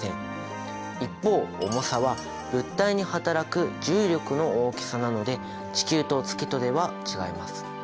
一方重さは物体に働く重力の大きさなので地球と月とでは違います。